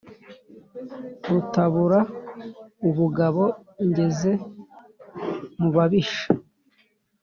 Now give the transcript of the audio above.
Rutabura ubugabo ngeze mu babisha,